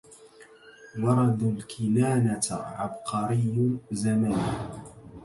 ورد الكنانة عبقري زمانه